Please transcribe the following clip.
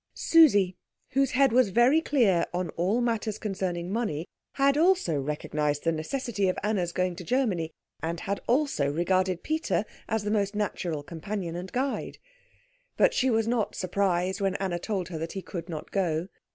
Susie, whose head was very clear on all matters concerning money, had also recognised the necessity of Anna's going to Germany, and had also regarded Peter as the most natural companion and guide; but she was not surprised when Anna told her that he could not go.